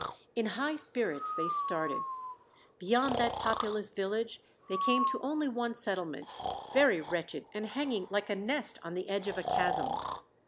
In high spirits they started. Beyond that populous village they came to only one settlement, very wretched and hanging like a nest on the edge of a chasm.